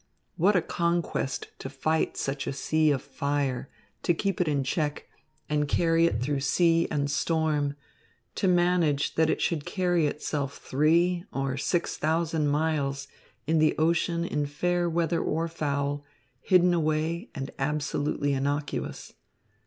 What a conquest to fight such a sea of fire, to keep it in check, and carry it through sea and storm; to manage that it should carry itself three or six thousand miles in the ocean in fair weather or foul, hidden away and absolutely innocuous.